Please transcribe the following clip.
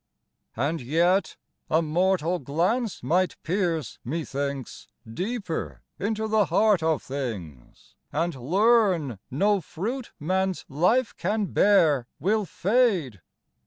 And yet, '*A mortal glance might pierce, methinks, Deeper into the heart of things, And learn, no fruit man's life can bear will fade."